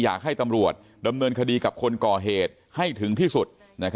อยากให้ตำรวจดำเนินคดีกับคนก่อเหตุให้ถึงที่สุด